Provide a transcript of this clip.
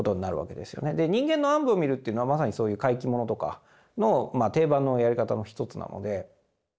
で人間の暗部を見るというのはまさにそういう怪奇ものとかの定番のやり方の一つなので。